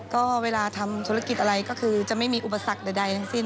ก็เวลาทำธุรกิจอะไรก็คือจะไม่มีอุปสรรคใดทั้งสิ้น